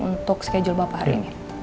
untuk schedule bapak hari ini